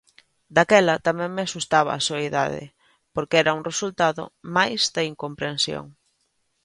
Daquela tamén me asustaba a soidade, porque era un resultado máis da incomprensión.